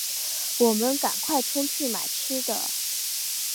我们赶快冲去买吃的